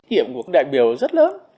hiểm của đại biểu rất lớn